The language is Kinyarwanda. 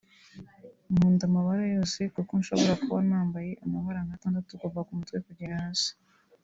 Nkunda amabara yose kuko nshobora kuba nambaye amabara nk’atandatu kuva ku mutwe kugera hasi